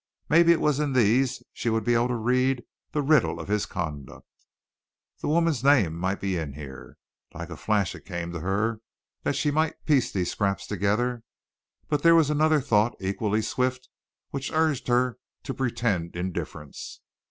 Maybe it was in these she would be able to read the riddle of his conduct. The woman's name might be in here. Like a flash it came to her that she might piece these scraps together, but there was another thought equally swift which urged her to pretend indifference.